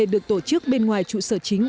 được tổ chức bên ngoài trụ sở chính